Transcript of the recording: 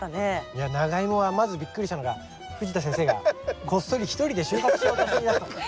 いやナガイモはまずびっくりしたのが藤田先生がこっそり一人で収穫しようとしていたと。